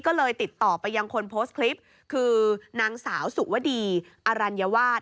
ก็เลยติดต่อไปยังคนโพสต์คลิปคือนางสาวสุวดีอรัญวาส